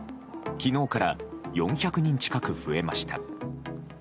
昨日から４００人近く増えました。